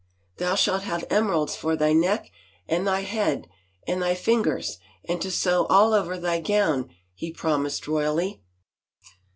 " Thou shalt have emeralds for thy neck and thy head and thy fingers and to sew all over thy gown," he prom ised royally.